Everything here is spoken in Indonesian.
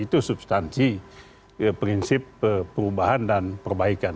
itu substansi prinsip perubahan dan perbaikan